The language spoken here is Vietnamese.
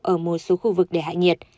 ở một số khu vực để hại nhiệt